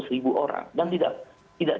seratus ribu orang dan tidak